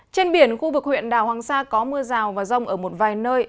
trên biển khu vực huyện đảo hoàng sa có mưa rào và rông ở một vài nơi